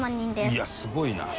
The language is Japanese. いやすごいな。